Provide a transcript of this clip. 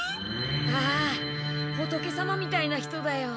ああほとけ様みたいな人だよ。